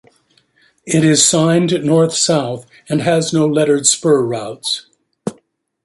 It is signed north-south and has no lettered spur routes.